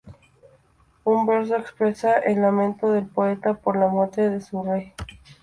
Un verso expresa el lamento del poeta por la muerte de su rey.